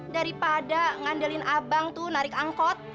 daripada ngandelin abang tuh narik angkot